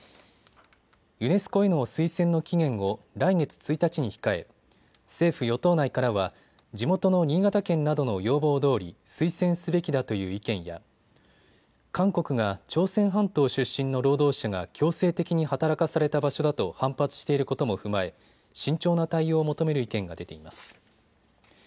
ユネスコへの推薦の期限を来月１日に控え政府与党内からは地元の新潟県などの要望どおり、推薦すべきだという意見や韓国が朝鮮半島出身の労働者が強制的に働かされた場所だと反発していることも踏まえ慎重な対応を求める意見が出ています。